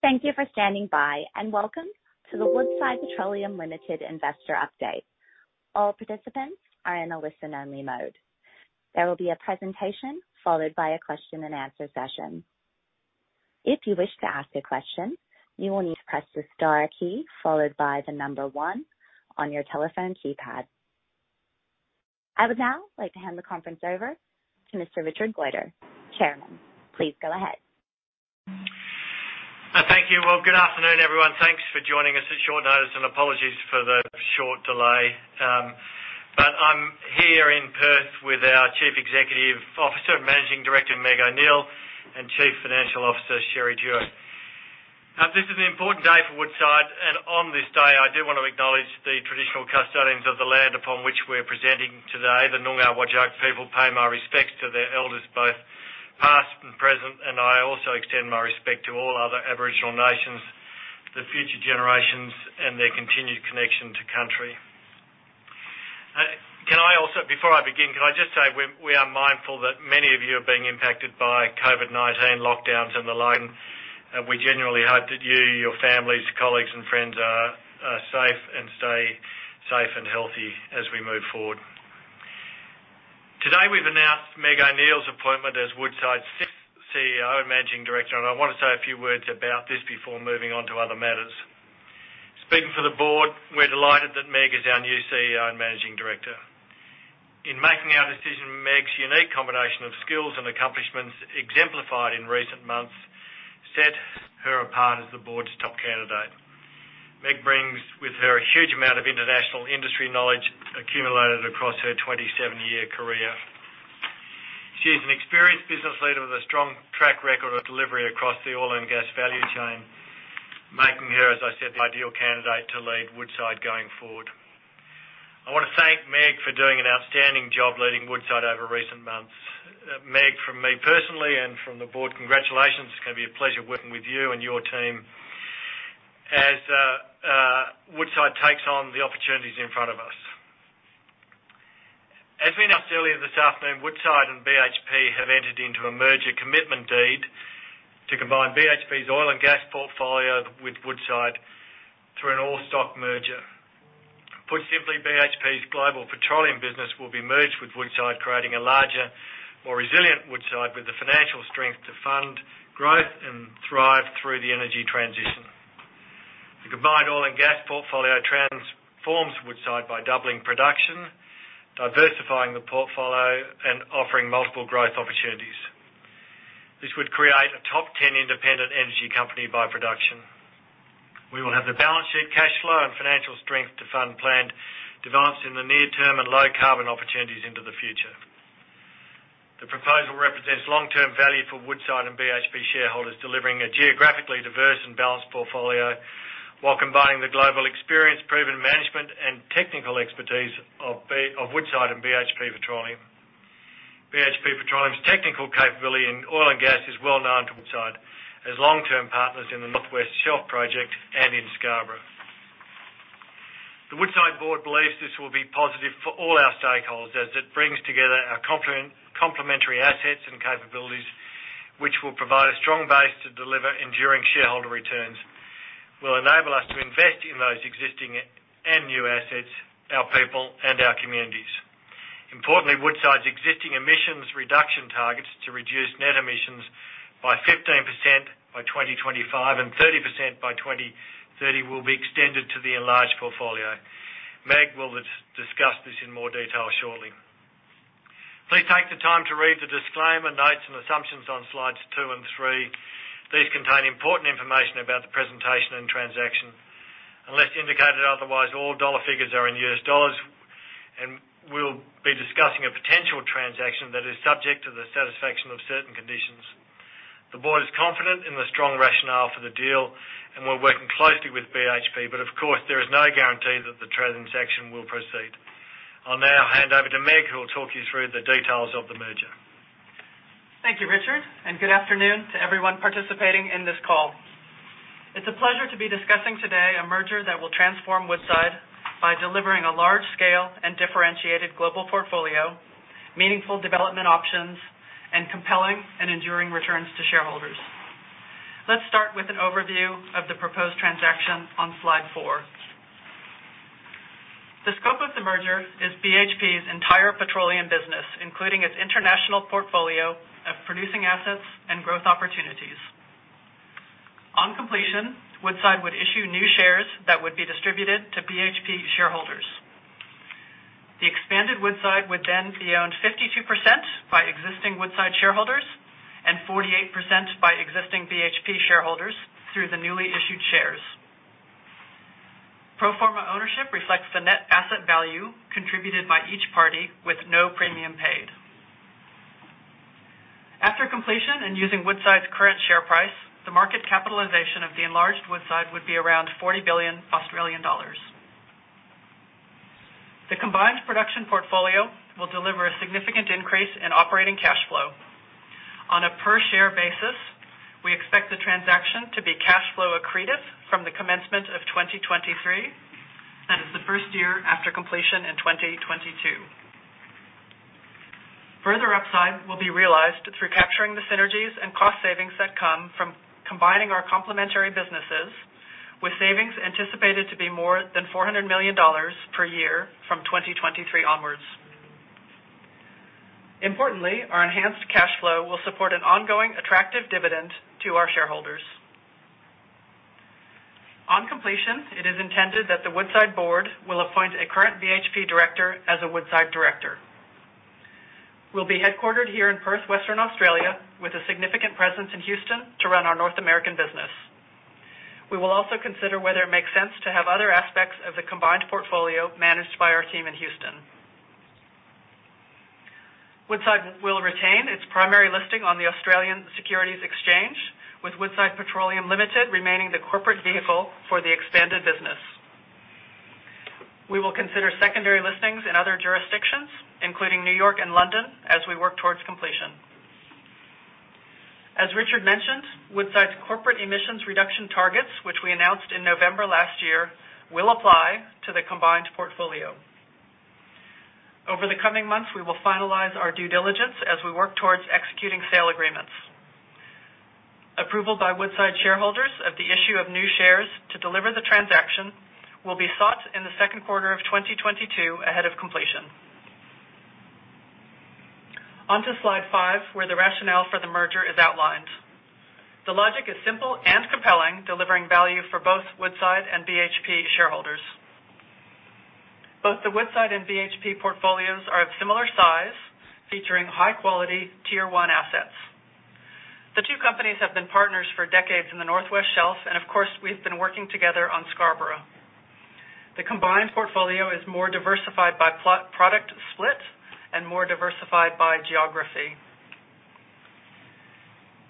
Thank you for standing by, welcome to the Woodside Petroleum Limited investor update. All participants are in a listen-only mode. There will be a presentation followed by a question and answer session. If you wish to ask a question, you will need to press the star key followed by one on your telephone keypad. I would now like to hand the conference over to Mr. Richard Goyder, Chairman. Please go ahead. Thank you. Well, good afternoon, everyone. Thanks for joining us at short notice, and apologies for the short delay. I'm here in Perth with our Chief Executive Officer, Managing Director Meg O'Neill, and Chief Financial Officer Sherry Duhe. This is an important day for Woodside, and on this day, I do want to acknowledge the traditional custodians of the land upon which we're presenting today, the Noongar Whadjuk people. I pay my respects to their elders, both past and present, and I also extend my respect to all other Aboriginal nations, the future generations, and their continued connection to country. Before I begin, can I just say, we are mindful that many of you are being impacted by Covid-19 lockdowns and the like. We genuinely hope that you, your families, colleagues, and friends are safe and stay safe and healthy as we move forward. Today, we've announced Meg O'Neill's appointment as Woodside CEO and managing director, and I want to say a few words about this before moving on to other matters. Speaking for the board, we're delighted that Meg is our new CEO and managing director. In making our decision, Meg's unique combination of skills and accomplishments exemplified in recent months set her apart as the board's top candidate. Meg brings with her a huge amount of international industry knowledge accumulated across her 27-year career. She is an experienced business leader with a strong track record of delivery across the oil and gas value chain, making her, as I said, the ideal candidate to lead Woodside going forward. I want to thank Meg for doing an outstanding job leading Woodside over recent months. Meg, from me personally and from the board, congratulations. It's going to be a pleasure working with you and your team as Woodside takes on the opportunities in front of us. As we announced earlier this afternoon, Woodside and BHP have entered into a merger commitment deed to combine BHP's oil and gas portfolio with Woodside through an all-stock merger. Put simply, BHP's global petroleum business will be merged with Woodside, creating a larger, more resilient Woodside with the financial strength to fund growth and thrive through the energy transition. The combined oil and gas portfolio transforms Woodside by doubling production, diversifying the portfolio, and offering multiple growth opportunities. This would create a top 10 independent energy company by production. We will have the balance sheet cash flow and financial strength to fund planned developments in the near term and low-carbon opportunities into the future. The proposal represents long-term value for Woodside and BHP shareholders, delivering a geographically diverse and balanced portfolio while combining the global experience, proven management, and technical expertise of Woodside and BHP Petroleum. BHP Petroleum's technical capability in oil and gas is well known to Woodside as long-term partners in the North West Shelf Joint Venture and in Scarborough Joint Venture. The Woodside board believes this will be positive for all our stakeholders as it brings together our complementary assets and capabilities, which will provide a strong base to deliver enduring shareholder returns, will enable us to invest in those existing and new assets, our people, and our communities. Importantly, Woodside's existing emissions reduction targets to reduce net emissions by 15% by 2025 and 30% by 2030 will be extended to the enlarged portfolio. Meg will discuss this in more detail shortly. Please take the time to read the disclaimer, notes, and assumptions on slides two and three. These contain important information about the presentation and transaction. Unless indicated otherwise, all dollar figures are in U.S. dollars, and we'll be discussing a potential transaction that is subject to the satisfaction of certain conditions. The board is confident in the strong rationale for the deal, and we're working closely with BHP. But of course, there is no guarantee that the transaction will proceed. I'll now hand over to Meg, who will talk you through the details of the merger. Thank you, Richard, and good afternoon to everyone participating in this call. It's a pleasure to be discussing today a merger that will transform Woodside by delivering a large-scale and differentiated global portfolio, meaningful development options, and compelling and enduring returns to shareholders. Let's start with an overview of the proposed transaction on slide 4. The scope of the merger is BHP's entire petroleum business, including its international portfolio of producing assets and growth opportunities. On completion, Woodside would issue new shares that would be distributed to BHP shareholders. The expanded Woodside would then be owned 52% by existing Woodside shareholders and 48% by existing BHP shareholders through the newly issued shares. Pro forma ownership reflects the net asset value contributed by each party with no premium paid. After completion and using Woodside's current share price, the market capitalization of the enlarged Woodside would be around 40 billion Australian dollars. The combined production portfolio will deliver a significant increase in operating cash flow. On a per-share basis, we expect the transaction to be cash flow accretive from the commencement of 2023. That is the first year after completion in 2022. Further upside will be realized through capturing the synergies and cost savings that come from combining our complementary businesses, with savings anticipated to be more than 400 million dollars per year from 2023 onwards. Importantly, our enhanced cash flow will support an ongoing attractive dividend to our shareholders. On completion, it is intended that the Woodside board will appoint a current BHP director as a Woodside director. We will be headquartered here in Perth, Western Australia, with a significant presence in Houston to run our North American business. We will also consider whether it makes sense to have other aspects of the combined portfolio managed by our team in Houston. Woodside will retain its primary listing on the Australian Securities Exchange, with Woodside Petroleum Limited remaining the corporate vehicle for the expanded business. We will consider secondary listings in other jurisdictions, including New York and London, as we work towards completion. As Richard mentioned, Woodside's corporate emissions reduction targets, which we announced in November last year, will apply to the combined portfolio. Over the coming months, we will finalize our due diligence as we work towards executing sale agreements. Approval by Woodside shareholders of the issue of new shares to deliver the transaction will be sought in the second quarter of 2022 ahead of completion. On to slide 5, where the rationale for the merger is outlined. The logic is simple and compelling, delivering value for both Woodside and BHP shareholders. Both the Woodside and BHP portfolios are of similar size, featuring high-quality Tier 1 assets. The two companies have been partners for decades in the North West Shelf, and of course, we've been working together on Scarborough. The combined portfolio is more diversified by product split and more diversified by geography.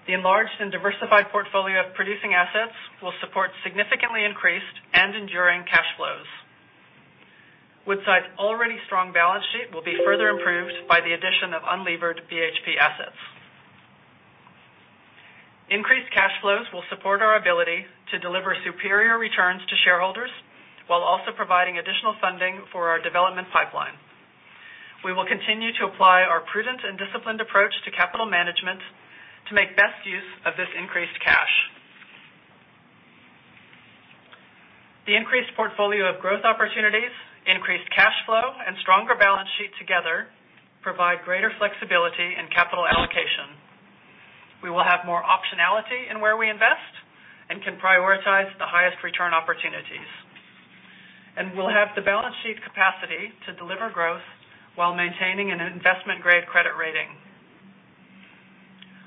The enlarged and diversified portfolio of producing assets will support significantly increased and enduring cash flows. Woodside's already strong balance sheet will be further improved by the addition of unlevered BHP assets. Increased cash flows will support our ability to deliver superior returns to shareholders while also providing additional funding for our development pipeline. We will continue to apply our prudent and disciplined approach to capital management to make the best use of this increased cash. The increased portfolio of growth opportunities, increased cash flow, and stronger balance sheet together provide greater flexibility in capital allocation. We will have more optionality in where we invest and can prioritize the highest return opportunities. We'll have the balance sheet capacity to deliver growth while maintaining an investment-grade credit rating.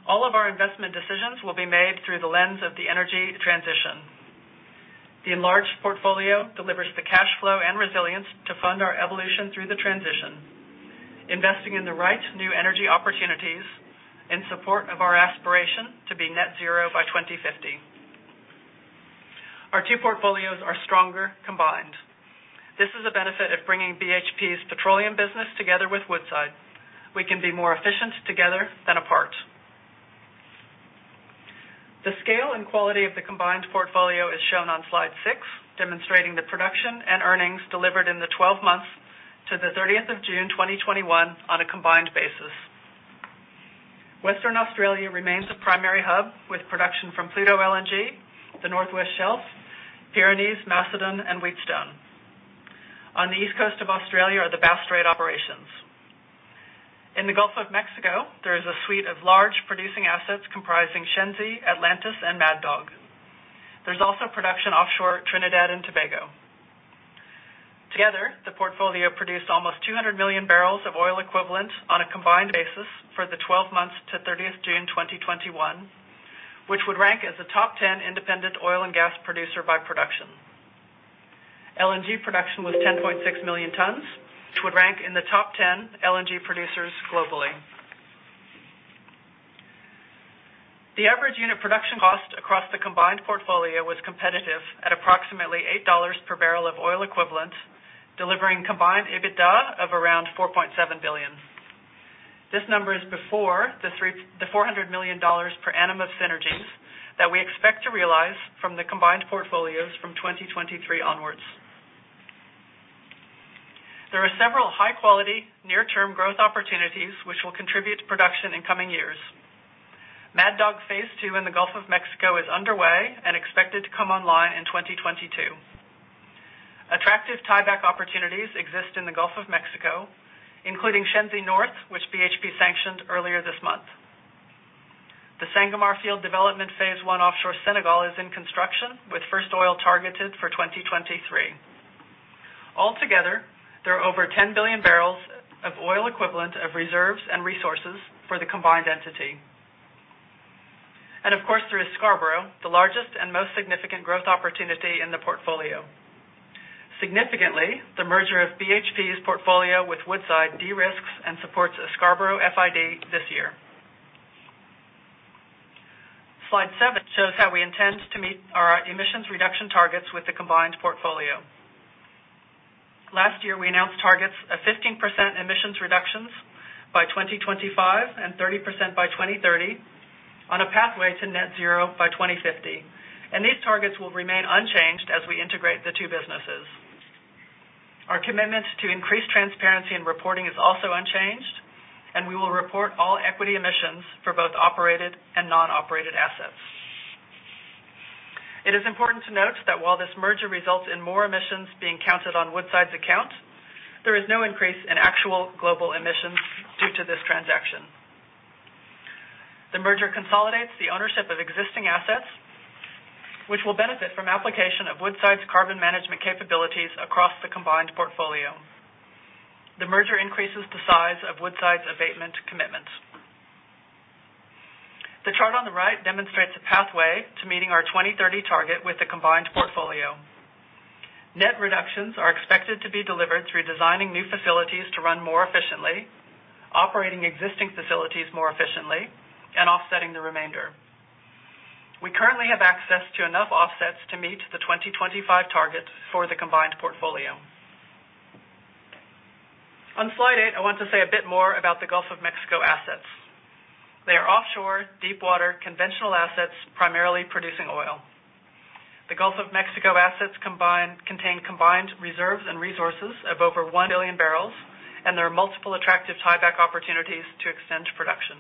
All of our investment decisions will be made through the lens of the energy transition. The enlarged portfolio delivers the cash flow and resilience to fund our evolution through the transition, investing in the right new energy opportunities in support of our aspiration to be net zero by 2050. Our two portfolios are stronger combined. This is a benefit of bringing BHP's petroleum business together with Woodside. We can be more efficient together than apart. The scale and quality of the combined portfolio is shown on slide 6, demonstrating the production and earnings delivered in the 12 months to the 30th of June 2021 on a combined basis. Western Australia remains the primary hub, with production from Pluto LNG, the North West Shelf, Pyrenees, Macedon, and Wheatstone. On the east coast of Australia are the Bass Strait operations. In the Gulf of Mexico, there is a suite of large producing assets comprising Shenzi, Atlantis, and Mad Dog. There is also production offshore Trinidad and Tobago. Together, the portfolio produced almost 200 million barrels of oil equivalent on a combined basis for the 12 months to 30th June 2021, which would rank as a top 10 independent oil and gas producer by production. LNG production was 10.6 million tons, which would rank in the top 10 LNG producers globally. The average unit production cost across the combined portfolio was competitive at approximately 8 dollars per barrel of oil equivalent, delivering combined EBITDA of around 4.7 billion. This number is before the 400 million dollars per annum of synergies that we expect to realize from the combined portfolios from 2023 onwards. There are several high-quality, near-term growth opportunities which will contribute to production in coming years. Mad Dog Phase 2 in the Gulf of Mexico is underway and expected to come online in 2022. Attractive tieback opportunities exist in the Gulf of Mexico, including Shenzi North, which BHP sanctioned earlier this month. The Sangomar Field Development Phase 1 offshore Senegal is in construction, with first oil targeted for 2023. Altogether, there are over 10 billion barrels of oil equivalent of reserves and resources for the combined entity. Of course, there is Scarborough, the largest and most significant growth opportunity in the portfolio. Significantly, the merger of BHP's portfolio with Woodside de-risks and supports a Scarborough FID this year. Slide 7 shows how we intend to meet our emissions reduction targets with the combined portfolio. Last year, we announced targets of 15% emissions reductions by 2025 and 30% by 2030. On a pathway to net zero by 2050. These targets will remain unchanged as we integrate the two businesses. Our commitment to increased transparency in reporting is also unchanged, and we will report all equity emissions for both operated and non-operated assets. It is important to note that while this merger results in more emissions being counted on Woodside's account, there is no increase in actual global emissions due to this transaction. The merger consolidates the ownership of existing assets, which will benefit from application of Woodside's carbon management capabilities across the combined portfolio. The merger increases the size of Woodside's abatement commitments. The chart on the right demonstrates a pathway to meeting our 2030 target with the combined portfolio. Net reductions are expected to be delivered through designing new facilities to run more efficiently, operating existing facilities more efficiently, and offsetting the remainder. We currently have access to enough offsets to meet the 2025 targets for the combined portfolio. On slide 8, I want to say a bit more about the Gulf of Mexico assets. They are offshore, deepwater, conventional assets, primarily producing oil. The Gulf of Mexico assets contain combined reserves and resources of over 1 billion barrels, and there are multiple attractive tieback opportunities to extend production.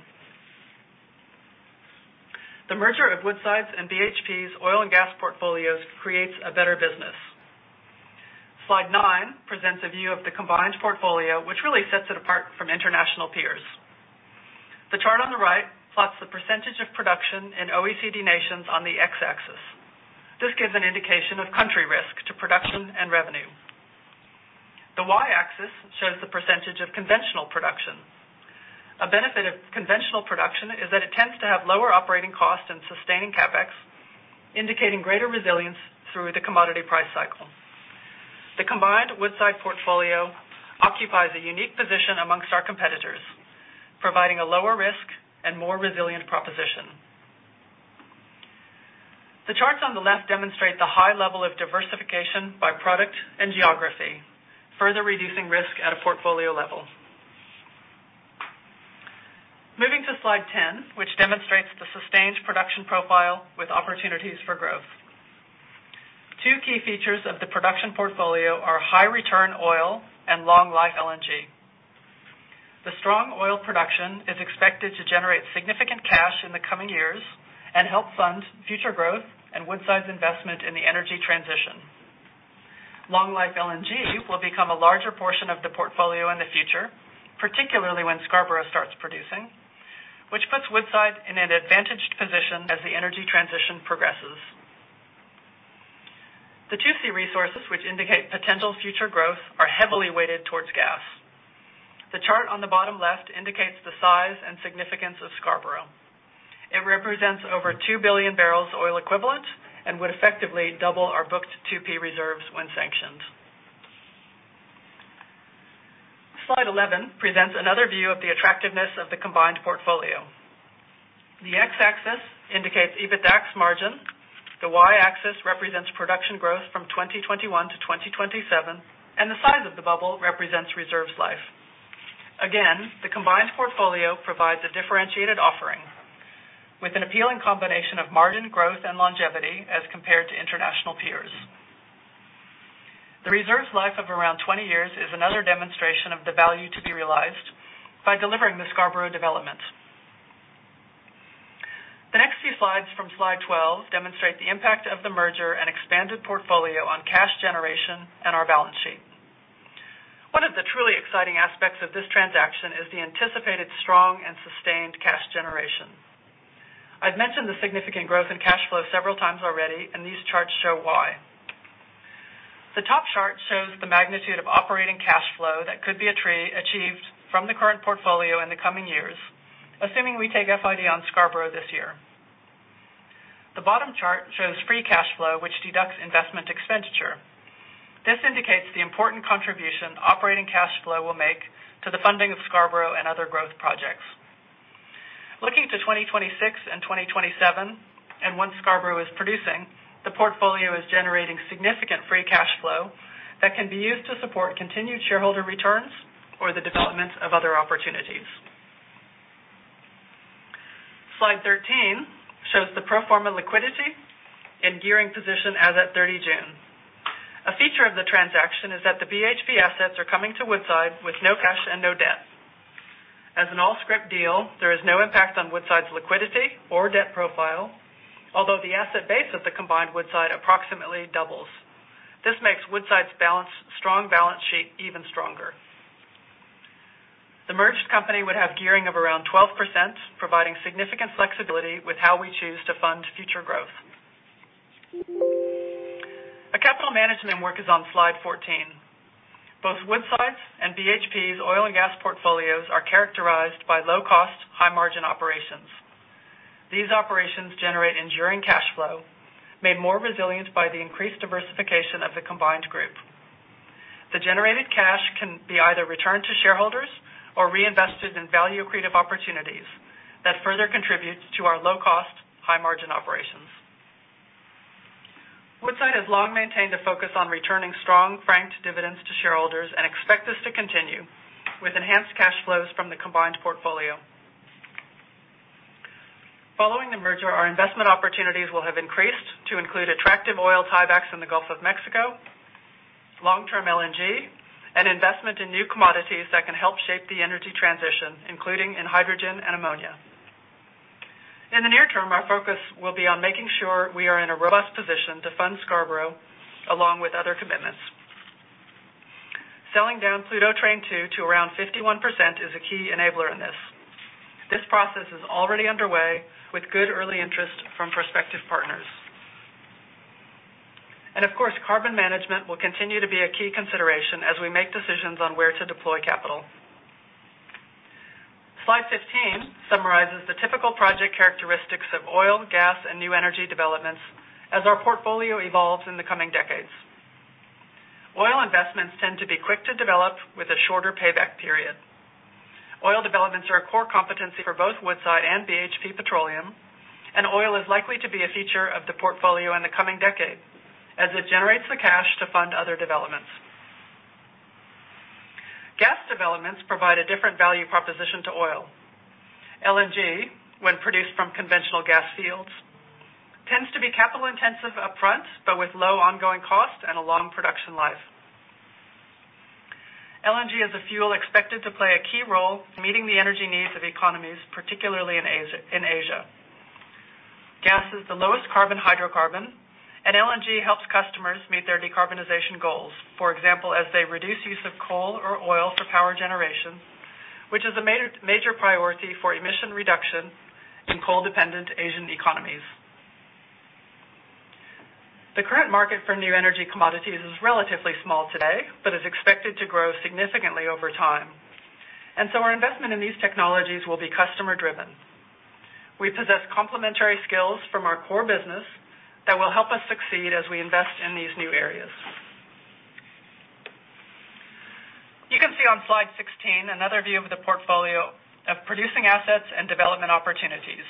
The merger of Woodside's and BHP's oil and gas portfolios creates a better business. Slide 9 presents a view of the combined portfolio, which really sets it apart from international peers. The chart on the right plots the percentage of production in OECD nations on the x-axis. This gives an indication of country risk to production and revenue. The y-axis shows the percentage of conventional production. A benefit of conventional production is that it tends to have lower operating costs and sustaining CapEx, indicating greater resilience through the commodity price cycle. The combined Woodside portfolio occupies a unique position amongst our competitors, providing a lower risk and more resilient proposition. The charts on the left demonstrate the high level of diversification by product and geography, further reducing risk at a portfolio level. Moving to slide 10, which demonstrates the sustained production profile with opportunities for growth. 2 key features of the production portfolio are high return oil and long life LNG. The strong oil production is expected to generate significant cash in the coming years and help fund future growth and Woodside's investment in the energy transition. Long life LNG will become a larger portion of the portfolio in the future, particularly when Scarborough starts producing, which puts Woodside in an advantaged position as the energy transition progresses. The 2C resources, which indicate potential future growth, are heavily weighted towards gas. The chart on the bottom left indicates the size and significance of Scarborough. It represents over 2 billion barrels of oil equivalent and would effectively double our booked 2P reserves when sanctioned. Slide 11 presents another view of the attractiveness of the combined portfolio. The x-axis indicates EBITDAX margin, the y-axis represents production growth from 2021 to 2027, and the size of the bubble represents reserves life. Again, the combined portfolio provides a differentiated offering with an appealing combination of margin growth and longevity as compared to international peers. The reserves life of around 20 years is another demonstration of the value to be realized by delivering the Scarborough development. The next few slides from slide 12 demonstrate the impact of the merger and expanded portfolio on cash generation and our balance sheet. One of the truly exciting aspects of this transaction is the anticipated strong and sustained cash generation. I've mentioned the significant growth in cash flow several times already, and these charts show why. The top chart shows the magnitude of operating cash flow that could be achieved from the current portfolio in the coming years, assuming we take FID on Scarborough this year. The bottom chart shows free cash flow, which deducts investment expenditure. This indicates the important contribution operating cash flow will make to the funding of Scarborough and other growth projects. Looking to 2026 and 2027, and once Scarborough is producing, the portfolio is generating significant free cash flow that can be used to support continued shareholder returns or the development of other opportunities. Slide 13 shows the pro forma liquidity and gearing position as at 30 June. A feature of the transaction is that the BHP assets are coming to Woodside with no cash and no debt. As an all-scrip deal, there is no impact on Woodside's liquidity or debt profile, although the asset base of the combined Woodside approximately doubles. This makes Woodside's strong balance sheet even stronger. The merged company would have gearing of around 12%, providing significant flexibility with how we choose to fund future growth. Our capital management work is on slide 14. Both Woodside's and BHP's oil and gas portfolios are characterized by low cost, high margin operations. These operations generate enduring cash flow, made more resilient by the increased diversification of the combined group. The generated cash can be either returned to shareholders or reinvested in value accretive opportunities that further contribute to our low cost, high margin offering. Woodside has long maintained a focus on returning strong franked dividends to shareholders and expect this to continue with enhanced cash flows from the combined portfolio. Following the merger, our investment opportunities will have increased to include attractive oil tiebacks in the Gulf of Mexico, long-term LNG, and investment in new commodities that can help shape the energy transition, including in hydrogen and ammonia. In the near term, our focus will be on making sure we are in a robust position to fund Scarborough along with other commitments. Selling down Pluto Train 2 to around 51% is a key enabler in this. This process is already underway with good early interest from prospective partners. Of course, carbon management will continue to be a key consideration as we make decisions on where to deploy capital. Slide 15 summarizes the typical project characteristics of oil, gas, and new energy developments as our portfolio evolves in the coming decades. Oil investments tend to be quick to develop with a shorter payback period. Oil developments are a core competency for both Woodside and BHP Petroleum, and oil is likely to be a feature of the portfolio in the coming decade as it generates the cash to fund other developments. Gas developments provide a different value proposition to oil. LNG, when produced from conventional gas fields, tends to be capital-intensive upfront, but with low ongoing costs and a long production life. LNG is a fuel expected to play a key role in meeting the energy needs of economies, particularly in Asia. Gas is the lowest carbon hydrocarbon, and LNG helps customers meet their decarbonization goals. For example, as they reduce use of coal or oil for power generation, which is a major priority for emission reduction in coal-dependent Asian economies. The current market for new energy commodities is relatively small today, but is expected to grow significantly over time, and so our investment in these technologies will be customer-driven. We possess complementary skills from our core business that will help us succeed as we invest in these new areas. You can see on slide 16 another view of the portfolio of producing assets and development opportunities.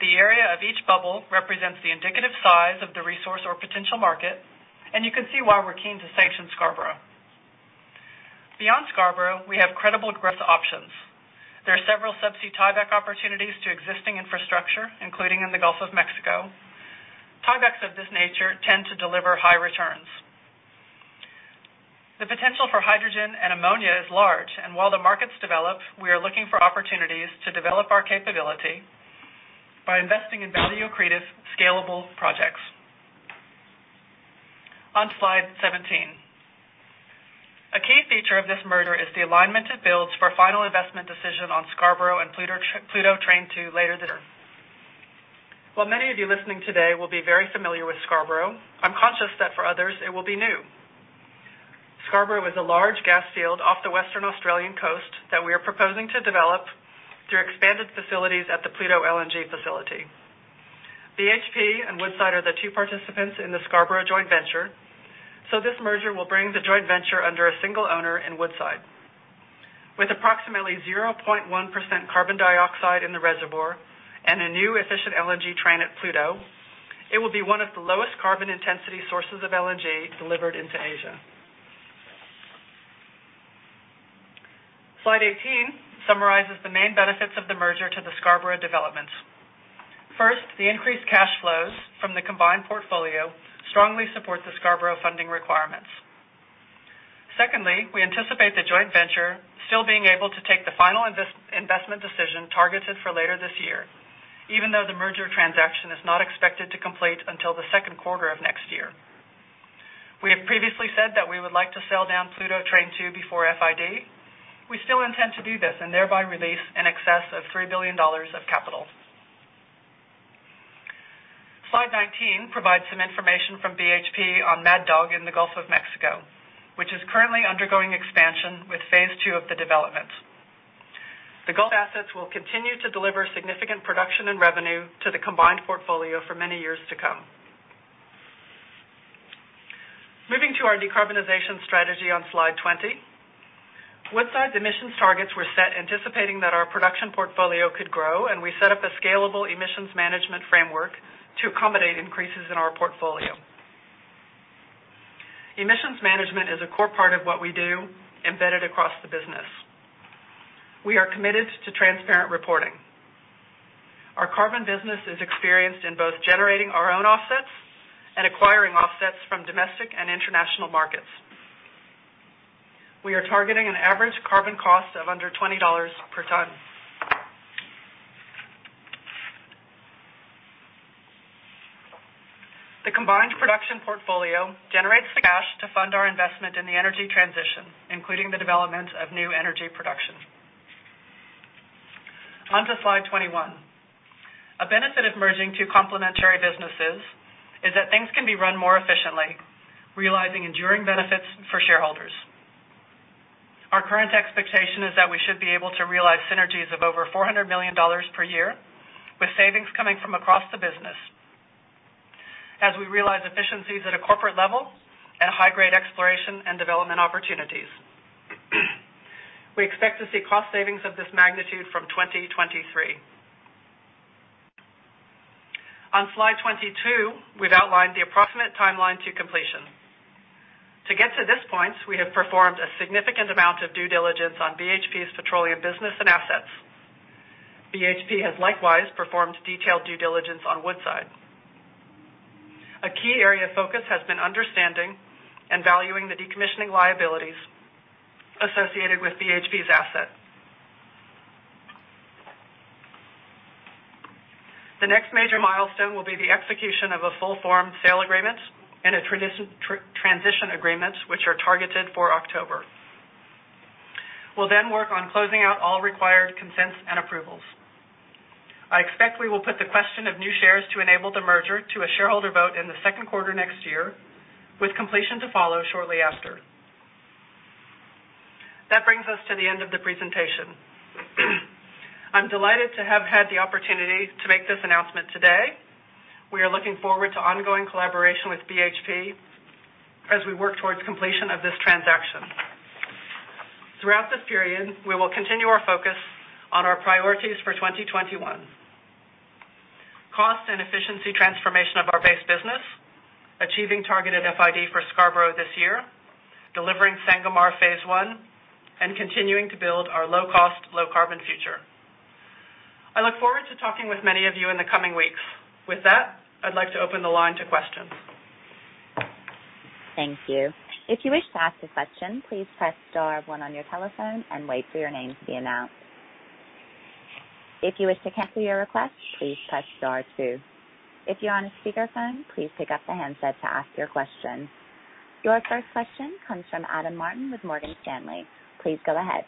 The area of each bubble represents the indicative size of the resource or potential market, and you can see why we're keen to sanction Scarborough. Beyond Scarborough, we have credible growth options. There are several subsea tieback opportunities to existing infrastructure, including in the Gulf of Mexico. Tiebacks of this nature tend to deliver high returns. The potential for hydrogen and ammonia is large, and while the markets develop, we are looking for opportunities to develop our capability by investing in value-accretive, scalable projects. On slide 17. A key feature of this merger is the alignment it builds for final investment decision on Scarborough and Pluto Train 2 later this year. While many of you listening today will be very familiar with Scarborough, I'm conscious that for others, it will be new. Scarborough is a large gas field off the Western Australian coast that we are proposing to develop through expanded facilities at the Pluto LNG facility. BHP and Woodside are the two participants in the Scarborough Joint Venture, so this merger will bring the Joint Venture under a single owner in Woodside. With approximately 0.1% carbon dioxide in the reservoir and a new efficient LNG train at Pluto, it will be one of the lowest carbon intensity sources of LNG delivered into Asia. Slide 18 summarizes the main benefits of the merger to the Scarborough developments. First, the increased cash flows from the combined portfolio strongly support the Scarborough funding requirements. Secondly, we anticipate the Joint Venture still being able to take the final investment decision targeted for later this year, even though the merger transaction is not expected to complete until the 2nd quarter of next year. We have previously said that we would like to sell down Pluto Train 2 before FID. We still intend to do this and thereby release in excess of 3 billion dollars of capital. Slide 19 provides some information from BHP on Mad Dog in the Gulf of Mexico, which is currently undergoing expansion with phase 2 of the development. The Gulf assets will continue to deliver significant production and revenue to the combined portfolio for many years to come. Moving to our decarbonization strategy on Slide 20. Woodside's emissions targets were set anticipating that our production portfolio could grow. We set up a scalable emissions management framework to accommodate increases in our portfolio. Emissions management is a core part of what we do, embedded across the business. We are committed to transparent reporting. Our carbon business is experienced in both generating our own offsets and acquiring offsets from domestic and international markets. We are targeting an average carbon cost of under 20 dollars per ton. The combined production portfolio generates the cash to fund our investment in the energy transition, including the development of new energy production. Slide 21. A benefit of merging two complementary businesses is that things can be run more efficiently, realizing enduring benefits for shareholders. Our current expectation is that we should be able to realize synergies of over 400 million dollars per year, with savings coming from across the business as we realize efficiencies at a corporate level and high-grade exploration and development opportunities. We expect to see cost savings of this magnitude from 2023. Slide 22, we've outlined the approximate timeline to completion. To get to this point, we have performed a significant amount of due diligence on BHP's petroleum business and assets. BHP has likewise performed detailed due diligence on Woodside. A key area of focus has been understanding and valuing the decommissioning liabilities associated with BHP's asset. The next major milestone will be the execution of a full-form sale agreement and a transition agreement, which are targeted for October. We'll then work on closing out all required consents and approvals. I expect we will put the question of new shares to enable the merger to a shareholder vote in the second quarter next year, with completion to follow shortly after. That brings us to the end of the presentation. I'm delighted to have had the opportunity to make this announcement today. We are looking forward to ongoing collaboration with BHP as we work towards completion of this transaction. Throughout this period, we will continue our focus on our priorities for 2021. Cost and efficiency transformation of our base business, achieving targeted FID for Scarborough this year, delivering Sangomar Phase 1, and continuing to build our low-cost, low-carbon future. I look forward to talking with many of you in the coming weeks. With that, I'd like to open the line to questions. Thank you. Your first question comes from Adam Martin with Morgan Stanley. Please go ahead.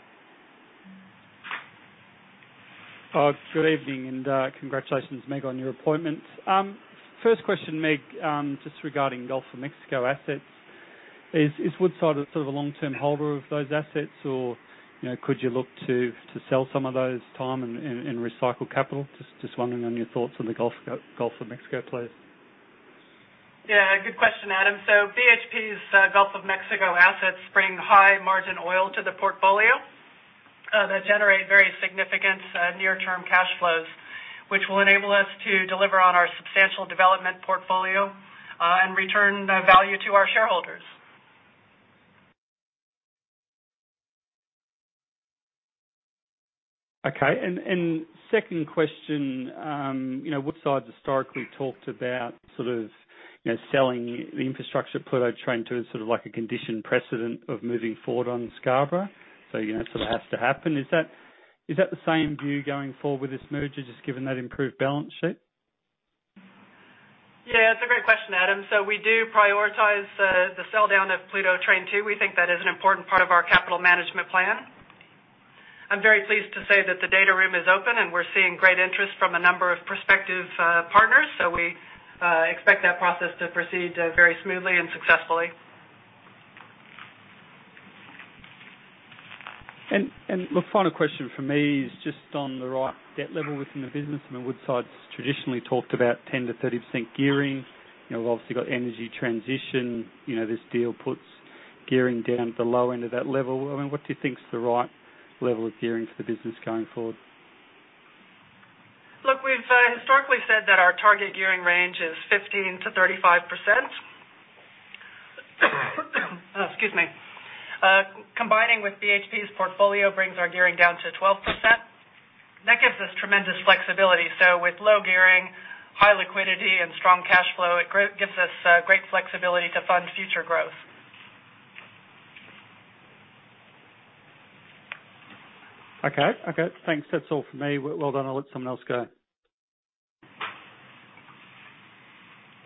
Good evening, congratulations, Meg, on your appointment. First question, Meg, just regarding Gulf of Mexico assets. Is Woodside a long-term holder of those assets, or could you look to sell some of those, down, and recycle capital? Just wondering on your thoughts on the Gulf of Mexico, please. Yeah. Good question, Adam. BHP's Gulf of Mexico assets bring high-margin oil to the portfolio that generate very significant near-term cash flows, which will enable us to deliver on our substantial development portfolio, and return value to our shareholders. Okay. Second question. Woodside historically talked about selling the infrastructure Pluto Train 2 as like a condition precedent of moving forward on Scarborough. It sort of has to happen. Is that the same view going forward with this merger, just given that improved balance sheet? Yeah, it's a great question, Adam. We do prioritize the sell-down of Pluto Train 2. We think that is an important part of our capital management plan. I'm very pleased to say that the data room is open, and we're seeing great interest from a number of prospective partners. We expect that process to proceed very smoothly and successfully. The final question from me is just on the right debt level within the business. I mean, Woodside's traditionally talked about 10%-30% gearing. We've obviously got energy transition. This deal puts gearing down at the low end of that level. I mean, what do you think is the right level of gearing for the business going forward? Look, we've historically said that our target gearing range is 15%-35%. Excuse me. Combining with BHP's portfolio brings our gearing down to 12%. That gives us tremendous flexibility. With low gearing, high liquidity, and strong cash flow, it gives us great flexibility to fund future growth. Okay. Thanks. That's all from me. Well done. I'll let someone else go.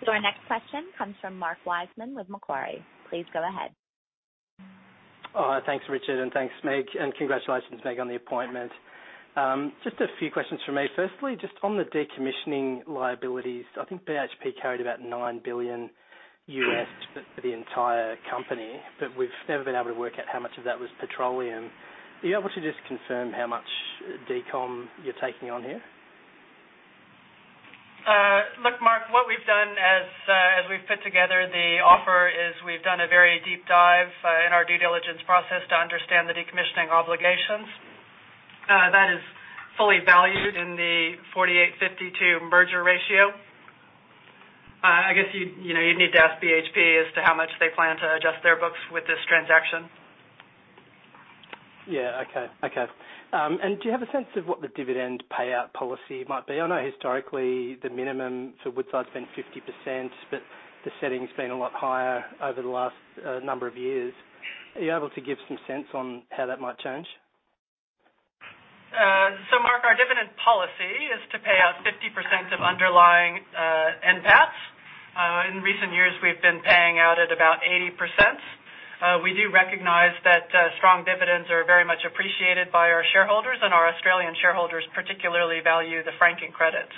Our next question comes from Mark Wiseman with Macquarie. Please go ahead. Thanks, Richard, and thanks, Meg, and congratulations, Meg, on the appointment. Just a few questions from me. Firstly, just on the decommissioning liabilities, I think BHP carried about 9 billion for the entire company, but we've never been able to work out how much of that was petroleum. Are you able to just confirm how much decom you're taking on here? Look, Mark, what we've done as we've put together the offer is we've done a very deep dive in our due diligence process to understand the decommissioning obligations. That is fully valued in the 48.52 merger ratio. I guess you'd need to ask BHP as to how much they plan to adjust their books with this transaction. Yeah. Okay. Do you have a sense of what the dividend payout policy might be? I know historically the minimum for Woodside's been 50%, but the setting's been a lot higher over the last number of years. Are you able to give some sense on how that might change? Mark, our dividend policy is to pay out 50% of underlying NPAT. In recent years, we've been paying out at about 80%. We do recognize that strong dividends are very much appreciated by our shareholders, and our Australian shareholders particularly value the franking credits.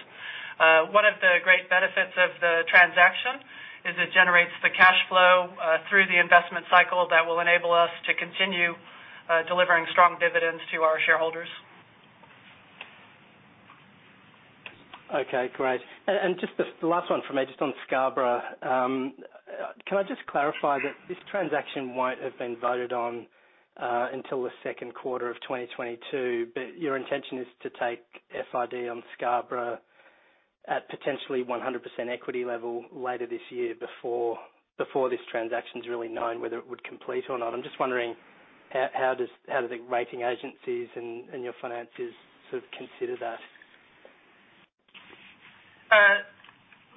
One of the great benefits of the transaction is it generates the cash flow through the investment cycle that will enable us to continue delivering strong dividends to our shareholders. Okay, great. Just the last one from me, just on Scarborough. Can I just clarify that this transaction won't have been voted on until the 2nd quarter of 2022, but your intention is to take FID on Scarborough at potentially 100% equity level later this year before this transaction is really known, whether it would complete or not. I'm just wondering, how do the rating agencies and your financers consider that?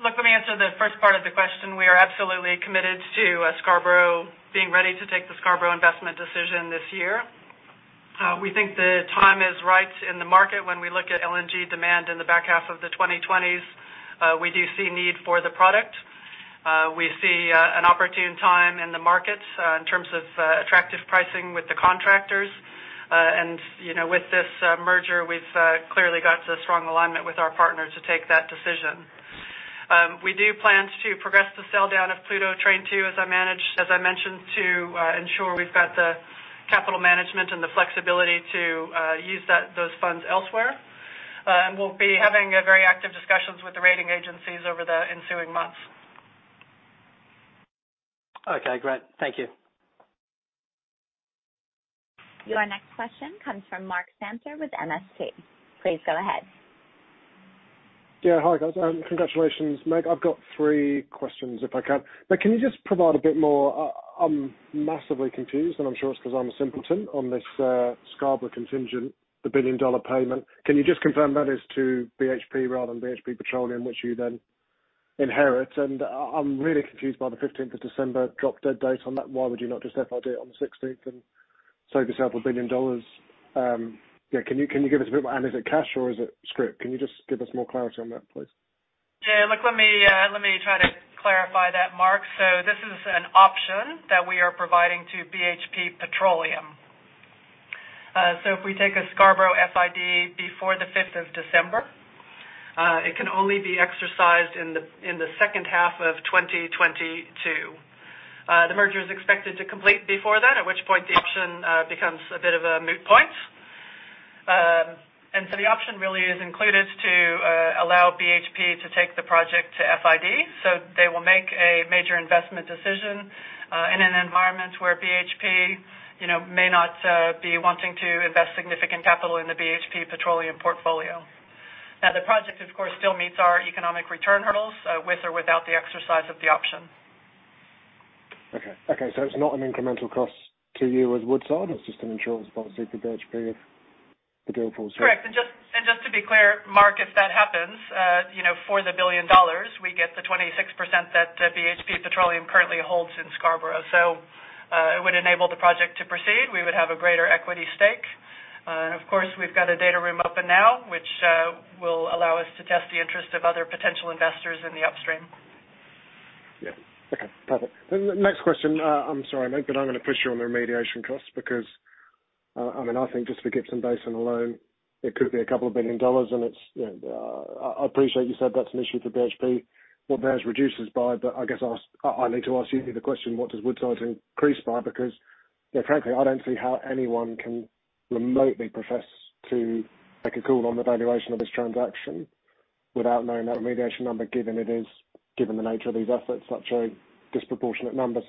Look, let me answer the 1st part of the question. We are absolutely committed to Scarborough, being ready to take the Scarborough investment decision this year. We think the time is right in the market. When we look at LNG demand in the back half of the 2020s, we do see need for the product. We see an opportune time in the market in terms of attractive pricing with the contractors. With this merger, we've clearly got a strong alignment with our partner to take that decision. We do plan to progress the sell-down of Pluto Train 2, as I mentioned, to ensure we've got the capital management and the flexibility to use those funds elsewhere. We'll be having very active discussions with the rating agencies over the ensuing months. Okay, great. Thank you. Your next question comes from Mark Samter with MST. Please go ahead. Hi, guys. Congratulations, Meg. I've got three questions, if I can. Can you just provide a bit more? I'm massively confused, and I'm sure it's because I'm a simpleton on this Scarborough contingent, the billion-dollar payment. Can you just confirm that is to BHP rather than BHP Petroleum, which you then inherit? I'm really confused by the 15th of December drop-dead date on that. Why would you not just FID it on the 16th and save yourself 1 billion dollars? Can you give us a bit more? Is it cash or is it scrip? Can you just give us more clarity on that, please? Look, let me try to clarify that, Mark. This is an option that we are providing to BHP Petroleum. If we take a Scarborough FID before the 5th of December, it can only be exercised in the second half of 2022. The merger is expected to complete before then, at which point the option becomes a bit of a moot point. The option really is included to allow BHP to take the project to FID, so they will make a major investment decision, in an environment where BHP may not be wanting to invest significant capital in the BHP Petroleum portfolio. Now, the project, of course, still meets our economic return hurdles, with or without the exercise of the option. Okay. It's not an incremental cost to you as Woodside. It's just an insurance policy for BHP if the deal falls through. Correct. Just to be clear, Mark, if that happens, for the 1 billion dollars, we get the 26% that BHP Petroleum currently holds in Scarborough. It would enable the project to proceed. We would have a greater equity stake. Of course, we've got a data room open now, which will allow us to test the interest of other potential investors in the upstream. Yeah. Okay, perfect. The next question, I'm sorry, Meg, but I'm going to push you on the remediation costs because, I think just for Gippsland Basin alone, it could be a couple of billion dollars, and I appreciate you said that's an issue for BHP, what theirs reduces by, but I guess I need to ask you the question, what does Woodside's increase by? Frankly, I don't see how anyone can remotely profess to make a call on the valuation of this transaction without knowing that remediation number, given the nature of these assets, such a disproportionate number.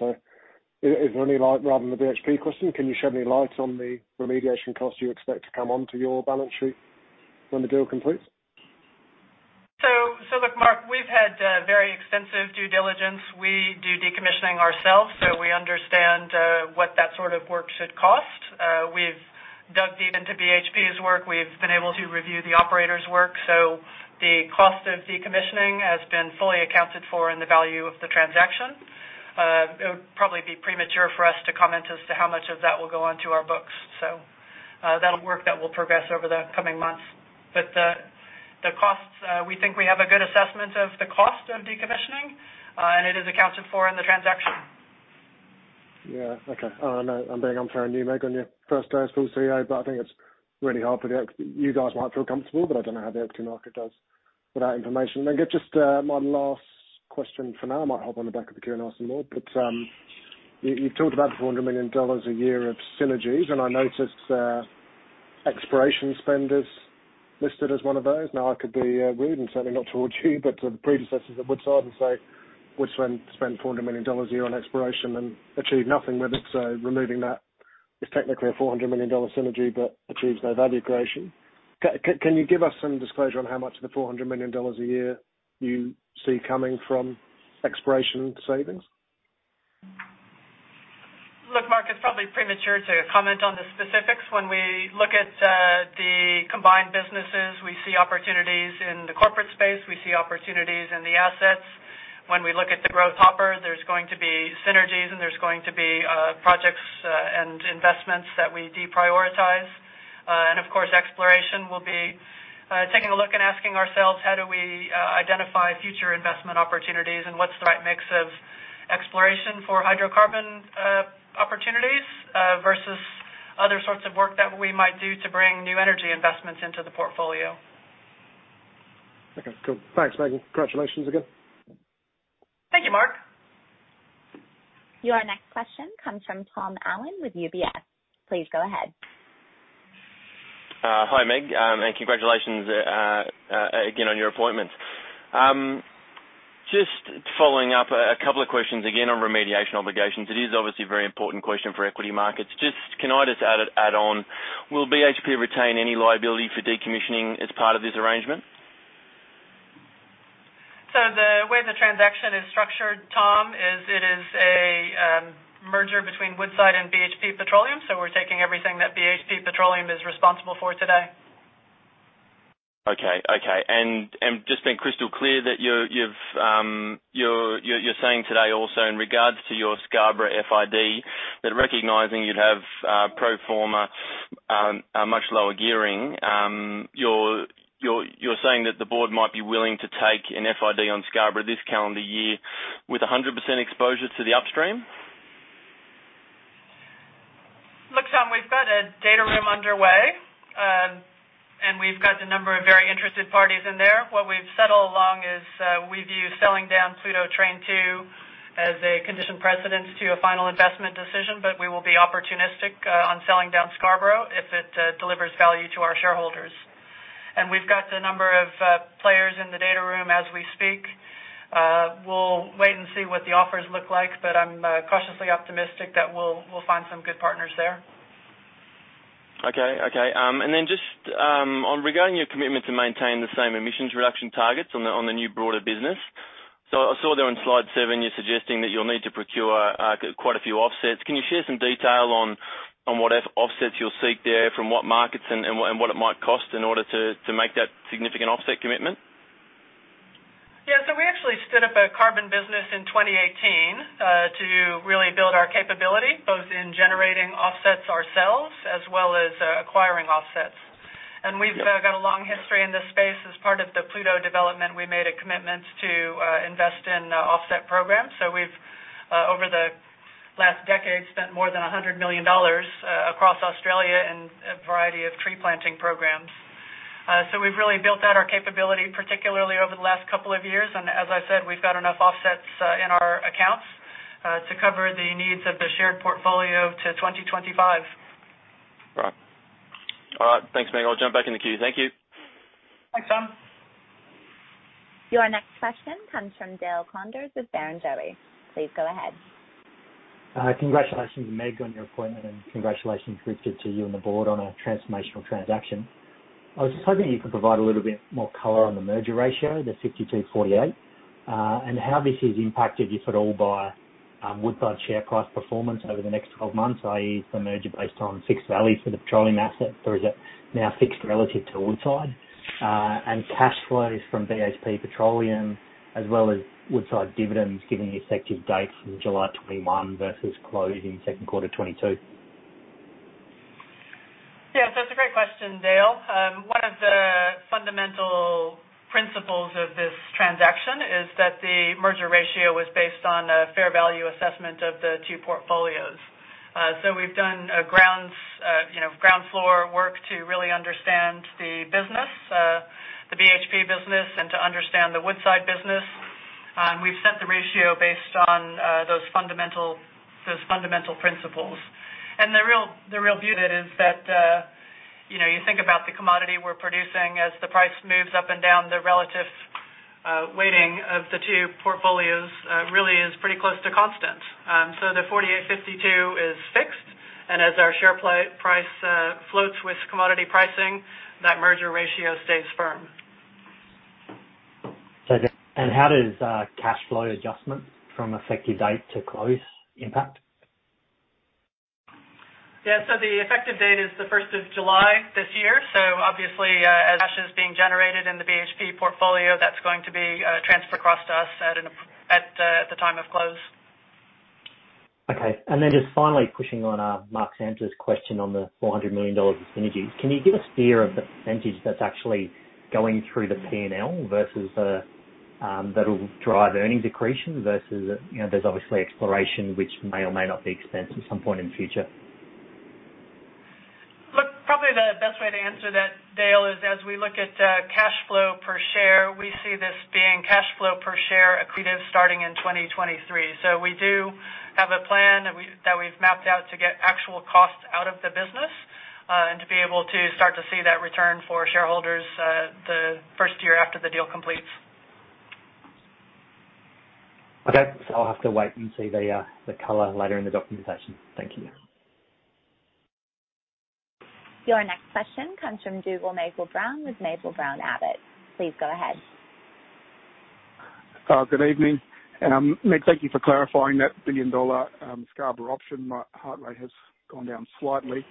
Rather than the BHP question, can you shed any light on the remediation cost you expect to come onto your balance sheet when the deal completes? Look, Mark, we've had very extensive due diligence. We do decommissioning ourselves, so we understand what that sort of work should cost. We've dug deep into BHP's work. We've been able to review the operator's work. The cost of decommissioning has been fully accounted for in the value of the transaction. It would probably be premature for us to comment as to how much of that will go onto our books. That will progress over the coming months. The costs, we think we have a good assessment of the cost of decommissioning, and it is accounted for in the transaction. Yeah. Okay. I know I'm being unfair on you, Meg, on your first day as full CEO, but I think it's really hard for the you guys might feel comfortable, but I don't know how the [FC] market does without information. Meg, just my last question for now. I might hop on the back of the queue and ask some more, but you've talked about 400 million dollars a year of synergies, and I noticed exploration spend is listed as one of those. I could be rude and certainly not towards you, but to the predecessors at Woodside and say, "Woodside spent 400 million dollars a year on exploration and achieved nothing with it." Removing that is technically a 400 million dollar synergy but achieves no value creation. Can you give us some disclosure on how much of the 400 million dollars a year you see coming from exploration savings? Look, Mark, it's probably premature to comment on the specifics. When we look at the combined businesses, we see opportunities in the corporate space. We see opportunities in the assets. When we look at the growth hopper, there's going to be synergies, and there's going to be projects and investments that we deprioritize. Of course, exploration will be taking a look and asking ourselves, how do we identify future investment opportunities and what's the right mix of exploration for hydrocarbon opportunities versus other sorts of work that we might do to bring new energy investments into the portfolio. Okay, cool. Thanks, Meg. Congratulations again. Your next question comes from Tom Allen with UBS. Please go ahead. Hi, Meg, and congratulations again on your appointment. Just following up a couple of questions again on remediation obligations. It is obviously a very important question for equity markets. Can I just add on, will BHP retain any liability for decommissioning as part of this arrangement? The way the transaction is structured, Tom, is it is a merger between Woodside and BHP Petroleum, so we're taking everything that BHP Petroleum is responsible for today. Okay. Just being crystal clear that you're saying today also in regards to your Scarborough FID, that recognizing you'd have pro forma, a much lower gearing, you're saying that the board might be willing to take an FID on Scarborough this calendar year with 100% exposure to the upstream? Look, Tom, we've got a data room underway. We've got a number of very interested parties in there. What we've said all along is, we view selling down Pluto Train 2 as a condition precedent to a final investment decision, but we will be opportunistic on selling down Scarborough if it delivers value to our shareholders. We've got a number of players in the data room as we speak. We'll wait and see what the offers look like, but I'm cautiously optimistic that we'll find some good partners there. Okay. Just regarding your commitment to maintain the same emissions reduction targets on the new broader business. I saw there on slide 7, you're suggesting that you'll need to procure quite a few offsets. Can you share some detail on what offsets you'll seek there from what markets and what it might cost in order to make that significant offset commitment? Yeah. We actually stood up a carbon business in 2018, to really build our capability, both in generating offsets ourselves, as well as acquiring offsets. We've got a long history in this space. As part of the Pluto development, we made a commitment to invest in offset programs. We've, over the last decade, spent more than 100 million dollars across Australia in a variety of tree planting programs. We've really built out our capability, particularly over the last couple of years. As I said, we've got enough offsets in our accounts to cover the needs of the shared portfolio to 2025. Right. All right. Thanks, Meg. I'll jump back in the queue. Thank you. Thanks, Tom. Your next question comes from Dale Koenders with Barrenjoey. Please go ahead. Congratulations, Meg, on your appointment, and congratulations, Richard Goyder, to you and the board on a transformational transaction. I was just hoping you could provide a little bit more color on the merger ratio, the 52/48, and how this is impacted, if at all, by Woodside share price performance over the next 12 months, i.e., the merger based on fixed values for the petroleum asset, or is it now fixed relative to Woodside, and cash flows from BHP Petroleum as well as Woodside dividends, giving effective dates from July 2021 versus close in second quarter 2022? Yeah. It's a great question, Dale. One of the fundamental principles of this transaction is that the merger ratio was based on a fair value assessment of the two portfolios. We've done ground floor work to really understand the business, the BHP business, and to understand the Woodside business. We've set the ratio based on those fundamental principles. The real view of it is that you think about the commodity we're producing, as the price moves up and down, the relative weighting of the two portfolios really is pretty close to constant. The 48/52 is fixed, and as our share price floats with commodity pricing, that merger ratio stays firm. How does cash flow adjustment from effective date to close impact? Yeah. The effective date is the 1st of July this year. Obviously, as cash is being generated in the BHP portfolio, that's going to be transferred across to us at the time of close. Okay. Just finally pushing on Mark Samter's question on the 400 million dollars of synergies. Can you give us a steer of the that's actually going through the P&L versus that'll drive earnings accretion versus, there's obviously exploration which may or may not be expensed at some point in the future? Look, probably the best way to answer that, Dale, is as we look at cash flow per share, we see this being cash flow per share accretive starting in 2023. We do have a plan that we've mapped out to get actual costs out of the business, and to be able to start to see that return for shareholders the first year after the deal completes. Okay. I'll have to wait and see the color later in the documentation. Thank you. Your next question comes from Dougal Maple-Brown with Maple-Brown Abbott. Please go ahead. Good evening. Meg, thank you for clarifying that billion-dollar Scarborough option. My heart rate has gone down slightly.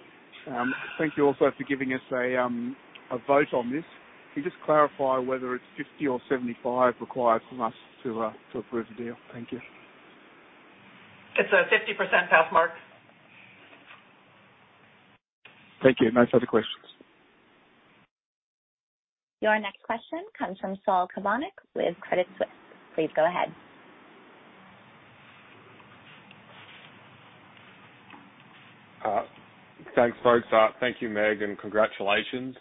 Thank you also for giving us a vote on this. Can you just clarify whether it's 50% or 75% required from us to approve the deal? Thank you. It's a 50% pass, Mark. Thank you. No further questions. Your next question comes from Saul Kavonic with Credit Suisse. Please go ahead. Thanks, folks. Thank you, Meg, and congratulations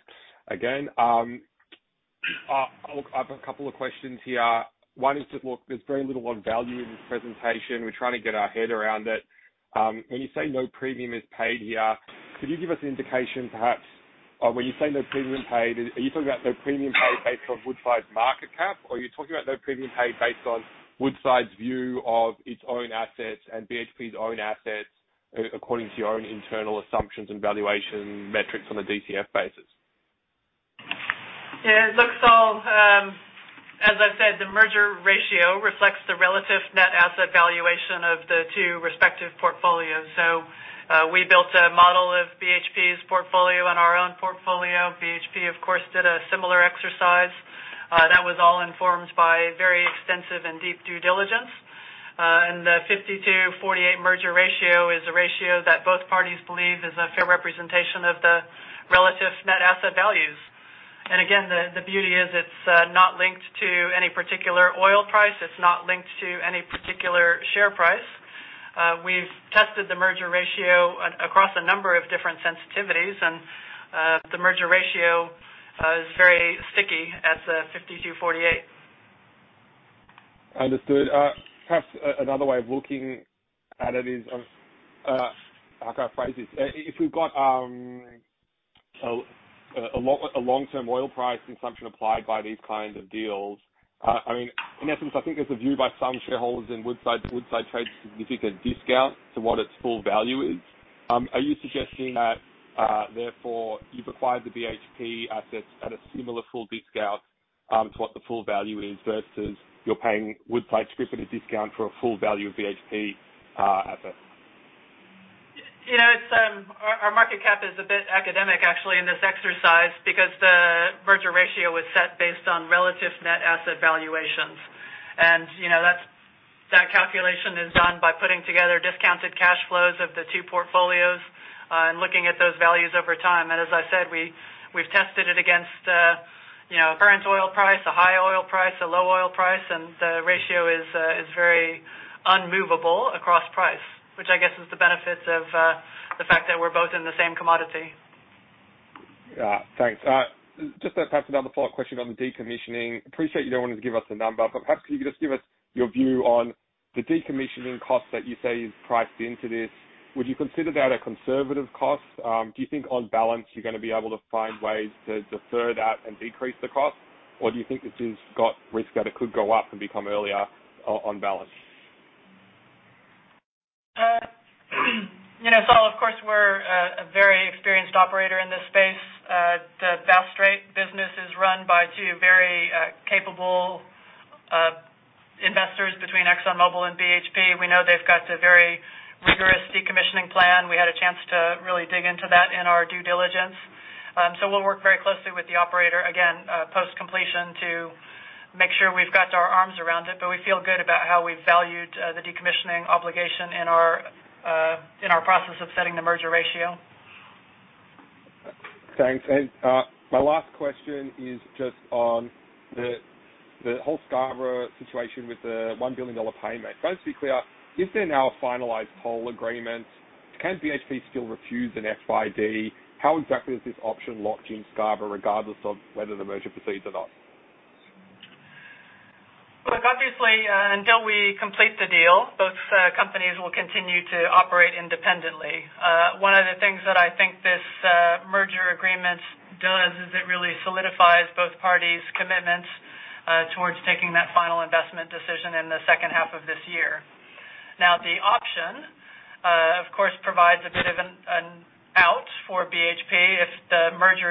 again. I've a couple of questions here. One is just, look, there's very little on value in this presentation. We're trying to get our head around it. When you say no premium is paid here, could you give us an indication, perhaps, or when you say no premium paid, are you talking about no premium paid based on Woodside's market cap? Or are you talking about no premium paid based on Woodside's view of its own assets and BHP's own assets according to your own internal assumptions and valuation metrics on a DCF basis? Look, Saul, as I said, the merger ratio reflects the relative net asset valuation of the two respective portfolios. We built a model of BHP's portfolio and our own portfolio. BHP, of course, did a similar exercise. That was all informed by very extensive and deep due diligence. The 52, 48 merger ratio is a ratio that both parties believe is a fair representation of the relative net asset values. Again, the beauty is it's not linked to any particular oil price. It's not linked to any particular share price. We've tested the merger ratio across a number of different sensitivities. The merger ratio is very sticky at the 52, 48. Understood. Perhaps another way of looking at it is. How can I phrase this? If we've got a long-term oil price assumption applied by these kinds of deals, in essence, I think there's a view by some shareholders in Woodside trade significant discount to what its full value is. Are you suggesting that, therefore you've acquired the BHP assets at a similar full discount, to what the full value is versus you're paying Woodside's preferred discount for a full value of BHP assets? Our market cap is a bit academic actually in this exercise because the merger ratio was set based on relative net asset valuations. That calculation is done by putting together discounted cash flows of the two portfolios, and looking at those values over time. As I said, we've tested it against current oil price, a high oil price, a low oil price, and the ratio is very unmovable across price, which I guess is the benefits of the fact that we're both in the same commodity. Yeah. Thanks. Just perhaps another follow-up question on the decommissioning. Appreciate you don't want to give us a number, but perhaps can you just give us your view on the decommissioning cost that you say is priced into this. Would you consider that a conservative cost? Do you think on balance, you're going to be able to find ways to defer that and decrease the cost? Do you think it's got risk that it could go up and become earlier on balance? Saul, of course, we're a very experienced operator in this space. The Bass Strait business is run by two very capable investors between ExxonMobil and BHP. We know they've got a very rigorous decommissioning plan. We had a chance to really dig into that in our due diligence. We'll work very closely with the operator again, post-completion to make sure we've got our arms around it, but we feel good about how we valued the decommissioning obligation in our process of setting the merger ratio. Thanks. My last question is just on the whole Scarborough situation with the 1 billion dollar payment. Just to be clear, is there now a finalized toll agreement? Can BHP still refuse an FID? How exactly is this option locked in Scarborough regardless of whether the merger proceeds or not? Look, obviously, until we complete the deal, both companies will continue to operate independently. One of the things that I think this merger agreement does is it really solidifies both parties' commitments towards taking that final investment decision in the second half of this year. Now, the option, of course, provides a bit of an out for BHP if the merger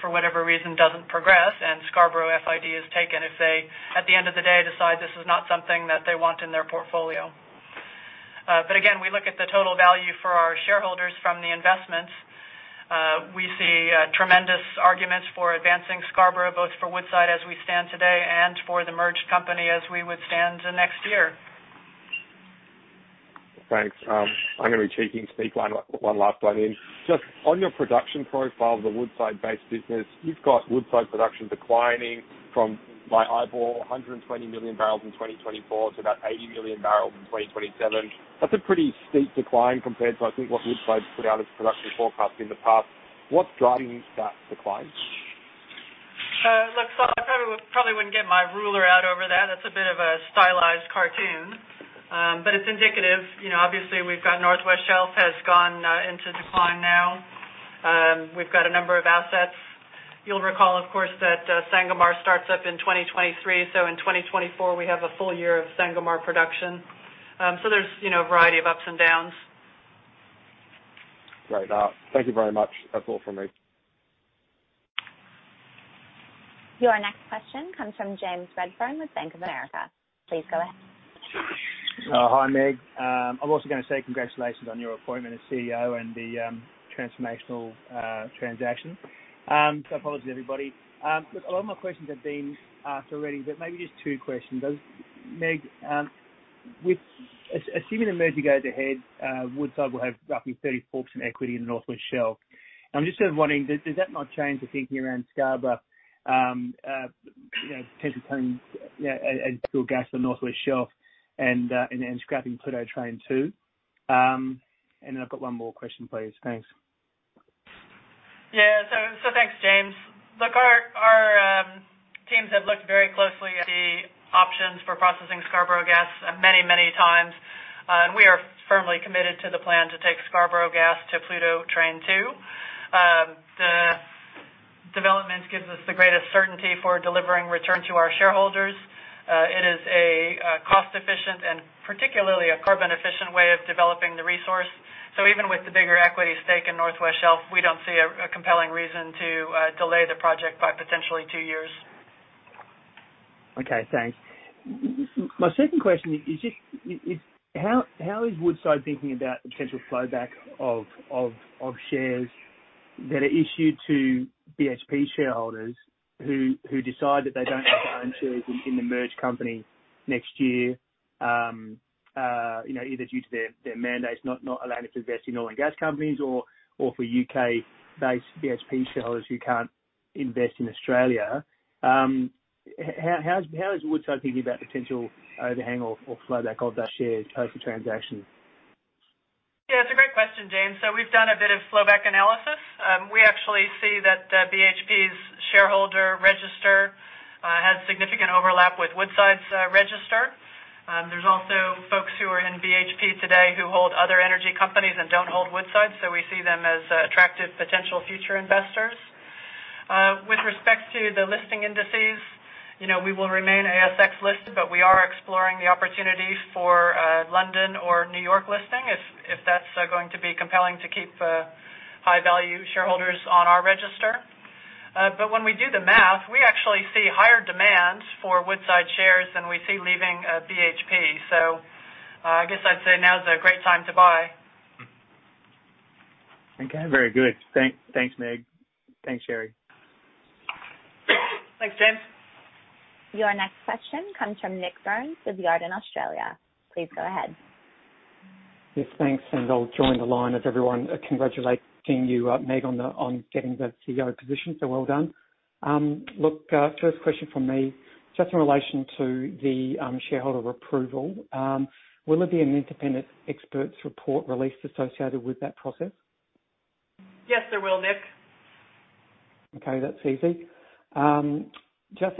for whatever reason doesn't progress and Scarborough FID is taken if they, at the end of the day, decide this is not something that they want in their portfolio. Again, we look at the total value for our shareholders from the investments. We see tremendous arguments for advancing Scarborough, both for Woodside as we stand today and for the merged company as we would stand next year. Thanks. I'm going to be cheeky and sneak one last one in. Just on your production profile of the Woodside-based business, you've got Woodside production declining from, by eyeball, 120 million barrels in 2024 to about 80 million barrels in 2027. That's a pretty steep decline compared to, I think, what Woodside put out as production forecast in the past. What's driving that decline? Look, Saul, I probably wouldn't get my ruler out over that. That's a bit of a stylized cartoon. It's indicative. Obviously, we've got North West Shelf has gone into decline now. We've got a number of assets. You'll recall, of course, that Sangomar starts up in 2023. In 2024, we have a full year of Sangomar production. There's a variety of ups and downs. Great. Thank you very much. That's all from me. Your next question comes from James Redfern with Bank of America. Please go ahead. Hi, Meg. I'm also going to say congratulations on your appointment as CEO and the transformational transaction. Apologies, everybody. Look, a lot of my questions have been asked already, but maybe just two questions. Meg, assuming the merger goes ahead, Woodside will have roughly 34% equity in the North West Shelf. I'm just sort of wondering, does that not change the thinking around Scarborough potential [tone and still gas] on North West Shelf and scrapping Pluto Train 2? Then I've got one more question, please. Thanks. Yeah. Thanks, James. Look, our teams have looked very closely at the options for processing Scarborough gas many, many times. We are firmly committed to the plan to take Scarborough gas to Pluto Train 2. The development gives us the greatest certainty for delivering return to our shareholders. It is a cost-efficient and particularly a carbon-efficient way of developing the resource. Even with the bigger equity stake in North West Shelf, we don't see a compelling reason to delay the project by potentially two years. Okay, thanks. My second question is just, how is Woodside thinking about the potential flowback of shares that are issued to BHP shareholders who decide that they don't want to own shares in the merged company next year, either due to their mandates not allowing to invest in oil and gas companies or for U.K.-based BHP shareholders who can't invest in Australia. How is Woodside thinking about potential overhang or flowback of that share post-transaction? Yeah, it's a great question, James. We've done a bit of flowback analysis. We actually see that BHP's shareholder register has significant overlap with Woodside's register. There's also folks who are in BHP today who hold other energy companies and don't hold Woodside, so we see them as attractive potential future investors. With respect to the listing indices, we will remain ASX listed, but we are exploring the opportunity for London or New York listing if that's going to be compelling to keep high-value shareholders on our register. When we do the math, we actually see higher demand for Woodside shares than we see leaving BHP. I guess I'd say now's a great time to buy. Okay, very good. Thanks, Meg. Thanks, Sherry. Thanks, James. Your next question comes from Nik Burns with Jarden in Australia. Please go ahead. Yes, thanks. I'll join the line of everyone congratulating you, Meg, on getting the CEO position, so well done. Look, first question from me, just in relation to the shareholder approval. Will there be an independent expert's report released associated with that process? Yes, there will, Nik. Okay, that's easy.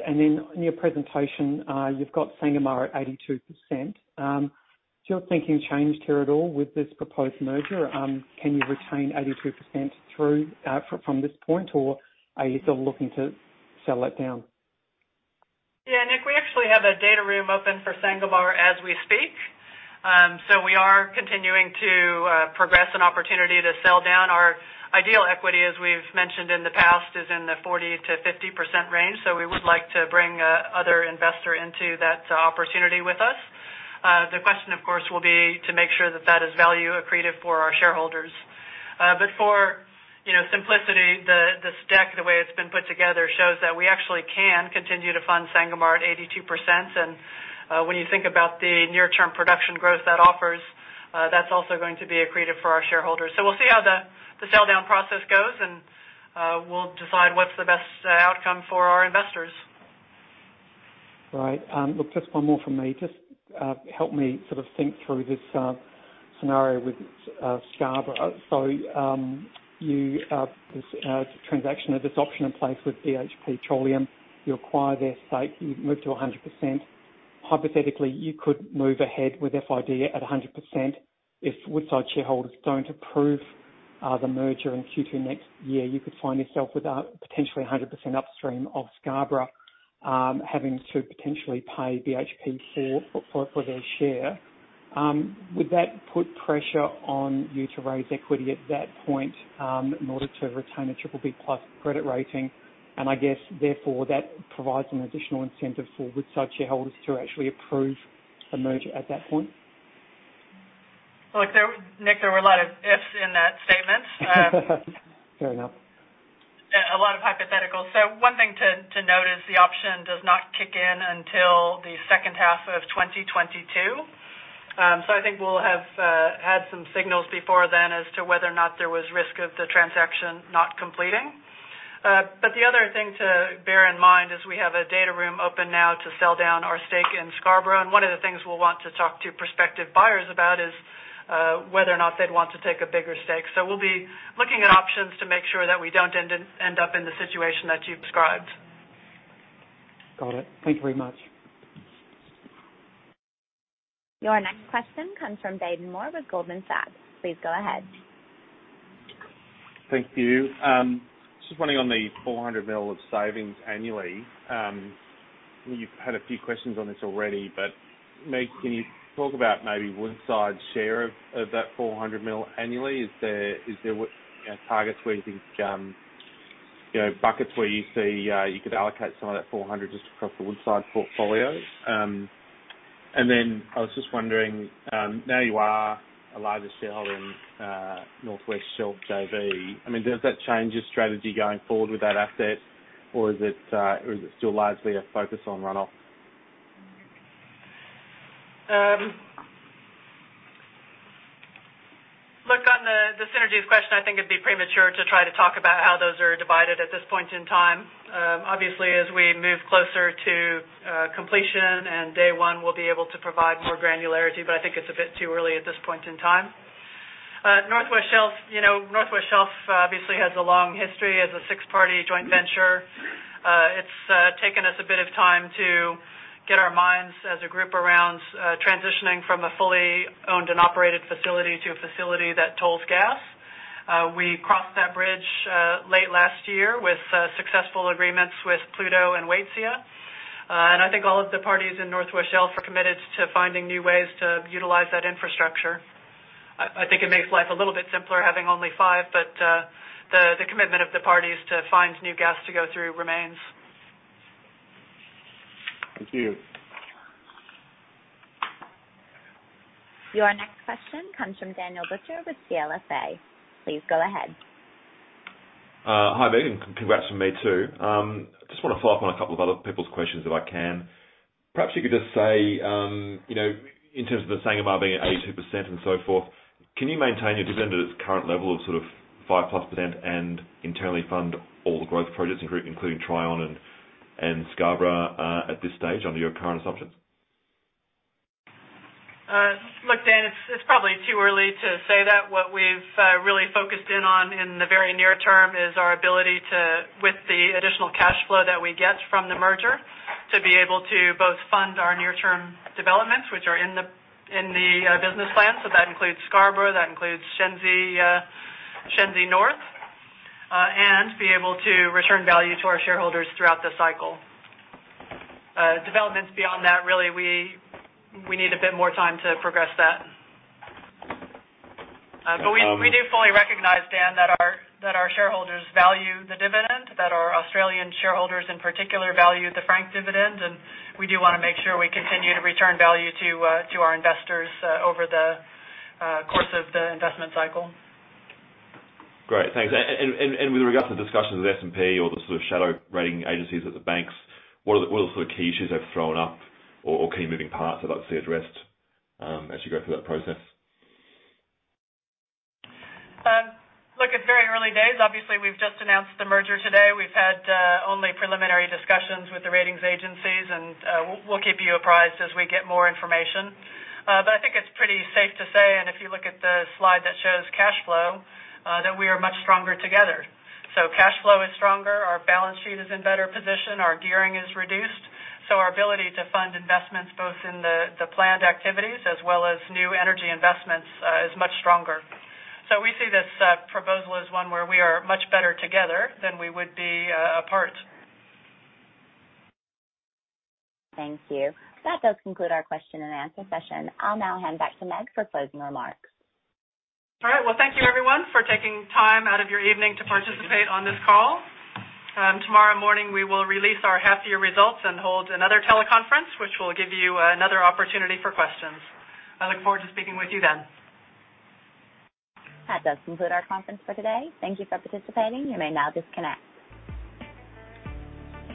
In your presentation, you've got Sangomar at 82%. Has your thinking changed here at all with this proposed merger? Can you retain 82% from this point, or are you still looking to sell that down? Yeah, Nik, we actually have a data room open for Sangomar as we speak. We are continuing to progress an opportunity to sell down. Our ideal equity, as we've mentioned in the past, is in the 40%-50% range. We would like to bring other investor into that opportunity with us. The question, of course, will be to make sure that that is value accretive for our shareholders. For simplicity, this deck, the way it's been put together, shows that we actually can continue to fund Sangomar at 82%. When you think about the near-term production growth that offers, that's also going to be accretive for our shareholders. We'll see how the sell-down process goes, and we'll decide what's the best outcome for our investors. Look, just one more from me. Just help me sort of think through this scenario with Scarborough. This transaction or this option in place with BHP Petroleum, you acquire their stake, you move to 100%. Hypothetically, you could move ahead with FID at 100%. If Woodside shareholders don't approve the merger in Q2 next year, you could find yourself with a potentially 100% upstream of Scarborough, having to potentially pay BHP for their share. Would that put pressure on you to raise equity at that point in order to retain a BBB+ credit rating? I guess therefore, that provides an additional incentive for Woodside shareholders to actually approve the merger at that point? Look, Nik, there were a lot of ifs in that statement. Fair enough. A lot of hypotheticals. One thing to note is the option does not kick in until the second half of 2022. I think we'll have had some signals before then as to whether or not there was risk of the transaction not completing. The other thing to bear in mind is we have a data room open now to sell down our stake in Scarborough, and one of the things we'll want to talk to prospective buyers about is whether or not they'd want to take a bigger stake. We'll be looking at options to make sure that we don't end up in the situation that you've described. Got it. Thank you very much. Your next question comes from Baden Moore with Goldman Sachs. Please go ahead. Thank you. Just wondering on the 400 mil of savings annually. You've had a few questions on this already, Meg, can you talk about maybe Woodside's share of that 400 mil annually? Is there targets where you think, buckets where you see you could allocate some of that 400 just across the Woodside portfolio? I was just wondering, now you are a larger shareholder in North West Shelf JV, I mean, does that change your strategy going forward with that asset, or is it still largely a focus on runoff? Look, on the synergies question, I think it'd be premature to try to talk about how those are divided at this point in time. Obviously, as we move closer to completion and day one, we'll be able to provide more granularity, but I think it's a bit too early at this point in time. North West Shelf obviously has a long history as a six-party joint venture. It's taken us a bit of time to get our minds as a group around transitioning from a fully owned and operated facility to a facility that tolls gas. We crossed that bridge late last year with successful agreements with Pluto and Waitsia. I think all of the parties in North West Shelf are committed to finding new ways to utilize that infrastructure. I think it makes life a little bit simpler, having only 5, but the commitment of the parties to find new gas to go through remains. Thank you. Your next question comes from Daniel Butcher with CLSA. Please go ahead. Hi, Megan. Congrats from me, too. I just want to follow up on a couple of other people's questions, if I can. Perhaps you could just say, in terms of the Sangomar being at 82% and so forth, can you maintain your dividend at its current level of sort of +5% and internally fund all the growth projects, including Trion and Scarborough at this stage under your current assumptions? Look, Dan, it's probably too early to say that. What we've really focused in on in the very near term is our ability to, with the additional cash flow that we get from the merger, to be able to both fund our near-term developments, which are in the business plan. That includes Scarborough, that includes Shenzi North, and be able to return value to our shareholders throughout the cycle. Developments beyond that, really, we need a bit more time to progress that. We do fully recognize, Dan, that our shareholders value the dividend, that our Australian shareholders, in particular, value the franked dividend, and we do want to make sure we continue to return value to our investors over the course of the investment cycle. Great. Thanks. With regard to the discussions with S&P or the sort of shadow rating agencies at the banks, what are the sort of key issues they've thrown up or key moving parts they'd like to see addressed as you go through that process? Look, it's very early days. Obviously, we've just announced the merger today. We've had only preliminary discussions with the ratings agencies, and we'll keep you apprised as we get more information. I think it's pretty safe to say, and if you look at the slide that shows cash flow, that we are much stronger together. Cash flow is stronger, our balance sheet is in better position, our gearing is reduced, so our ability to fund investments both in the planned activities as well as new energy investments is much stronger. We see this proposal as one where we are much better together than we would be apart. Thank you. That does conclude our question and answer session. I will now hand back to Meg for closing remarks. All right. Well, thank you, everyone, for taking time out of your evening to participate on this call. Tomorrow morning, we will release our half-year results and hold another teleconference, which will give you another opportunity for questions. I look forward to speaking with you then. That does conclude our conference for today. Thank you for participating. You may now disconnect.